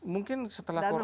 mungkin setelah covid selesai